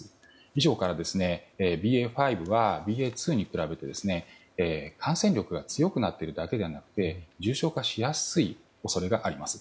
以上から、ＢＡ．５はＢＡ．２に比べて、感染力が強くなっているだけではなくて重症化しやすい恐れがあります。